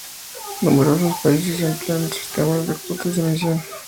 Numerosos países emplean sistemas de cuotas de emisión.